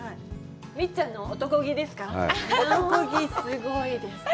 みっちゃんの男気ですか？